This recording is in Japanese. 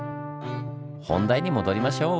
本題に戻りましょう！